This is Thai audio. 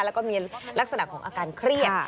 แล้วก็มีลักษณะของอาการเครียด